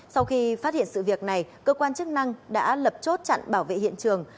sau khi phát hiện sự việc này cơ quan chức năng đã lập chốt chặn bảo vệ hiện trường